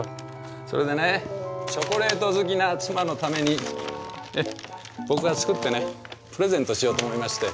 それでねチョコレート好きな妻のために僕が作ってねプレゼントしようと思いまして。